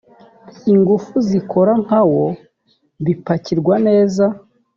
ingufu zikora nka wo bipakirwa neza